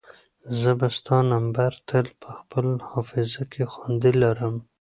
زه به ستا نمبر تل په خپل حافظه کې خوندي لرم.